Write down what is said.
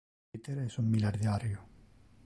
Peter es un milliardario.